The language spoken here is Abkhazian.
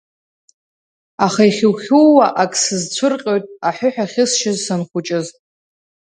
Аха ихьу-хьууа ак сызцәырҟьоит аҳәыҳә ахьысшьыз санхәыҷыз!